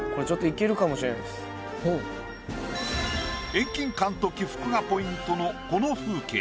遠近感と起伏がポイントのこの風景。